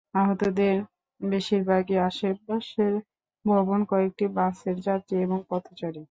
আহতদের বেশিরভাগই আশেপাশের ভবন, কয়েকটি বাসের যাত্রী এবং পথচারী।